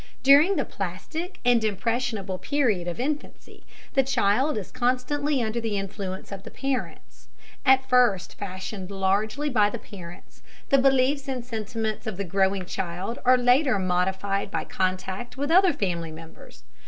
During the plastic and impressionable period of infancy the child is constantly under the influence of the parents. At first fashioned largely by the parents, the beliefs and sentiments of the growing child are later modified by contact with other family members.